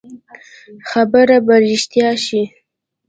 خبره به رښتيا شي.